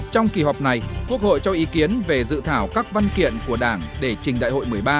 trong kỳ họp này quốc hội cho ý kiến về dự thảo các văn kiện của đảng để trình đại hội một mươi ba